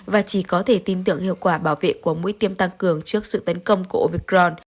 và chỉ có thể tin tưởng hiệu quả bảo vệ của mũi tiêm tăng cường trước sự tấn công của ovicron